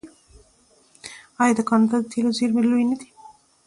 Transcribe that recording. آیا د کاناډا د تیلو زیرمې لویې نه دي؟